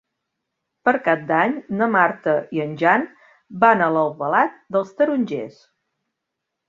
Per Cap d'Any na Marta i en Jan van a Albalat dels Tarongers.